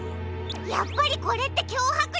やっぱりこれってきょうはくじょうだ！